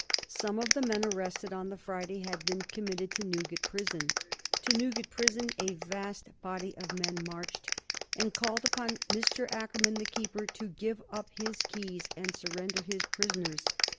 Some of the men arrested on the Friday had been committed to Newgate Prison. To Newgate Prison a vast body of men marched, and called upon Mr. Akerman, the keeper, to give up his keys and surrender his prisoners.